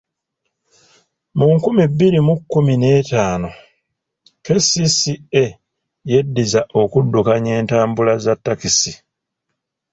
Mu nkumi bbiri mu kkumi n'etaano, KCCA yeddiza okuddukanya entambula za takisi.